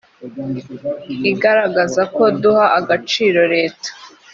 igaragaza ko duha agaciro leta